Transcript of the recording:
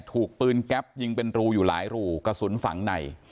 ถูกปืนแก๊ปยิงเป็นรูอยู่หลายรูกระสุนฝังใน